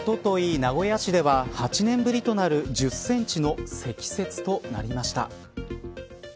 名古屋市では８年ぶりとなる１０センチの積雪となりました。